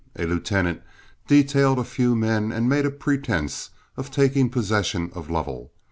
A lieutenant detailed a few men and made a pretense of taking possession of Lovell.